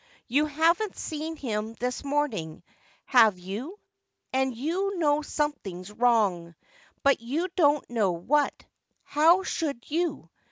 You haven't seen him this morning, have you ?— and you know something's wrong, but you don't know what. How should you